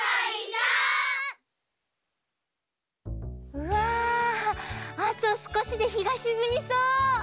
うわあとすこしでひがしずみそう！